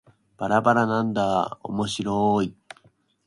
ばらばらなんだーおもしろーい